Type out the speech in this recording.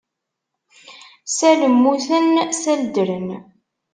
Sal mmuten sal ddren.